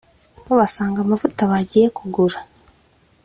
basanga amavuta bagiye kugura